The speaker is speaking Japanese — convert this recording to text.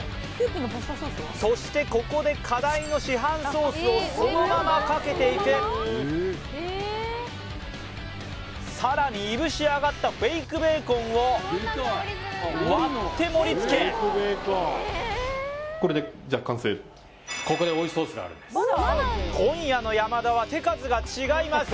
そしてここで課題の市販ソースをそのままかけていくさらにいぶしあがったフェイクベーコンを割って盛りつけ今夜の山田は手数が違います